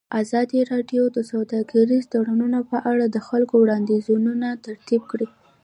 ازادي راډیو د سوداګریز تړونونه په اړه د خلکو وړاندیزونه ترتیب کړي.